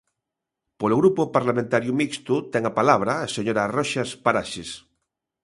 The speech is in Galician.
Polo Grupo Parlamentario Mixto, ten a palabra a señora Roxas Paraxes.